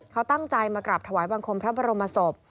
เขาตั้งใจมากราบถวายบังคมพระบรมศพ